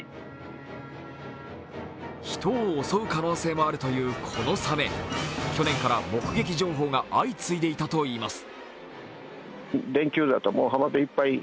人を襲う可能性もあるというこのさめ、去年から目撃情報が相次いでいたといいます。